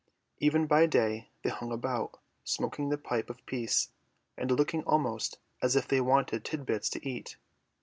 Even by day they hung about, smoking the pipe of peace, and looking almost as if they wanted tit bits to eat.